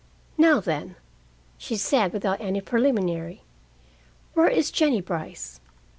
"Now then," she said without any preliminary, "where is Jennie Brice?"